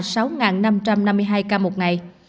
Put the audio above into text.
sáu năm trăm năm mươi hai ca một ngày